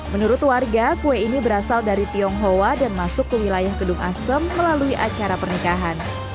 menurut warga kue ini berasal dari tionghoa dan masuk ke wilayah kedung asem melalui acara pernikahan